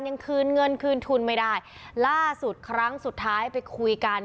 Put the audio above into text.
ยังคืนเงินคืนทุนไม่ได้ล่าสุดครั้งสุดท้ายไปคุยกัน